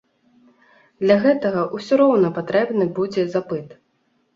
Для гэтага ўсё роўна патрэбны будзе запыт.